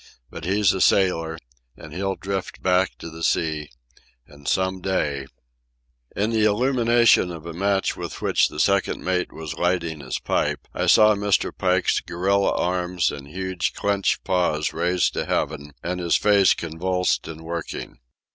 But he's a sailor, and he'll drift back to the sea, and some day ..." In the illumination of a match with which the second mate was lighting his pipe I saw Mr. Pike's gorilla arms and huge clenched paws raised to heaven, and his face convulsed and working.